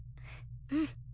うん。